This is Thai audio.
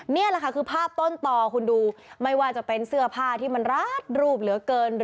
นี่แหละค่ะคือภาพต้นต่อคุณดูไม่ว่าจะเป็นเสื้อผ้าที่มันราดรูปเหลือเกิน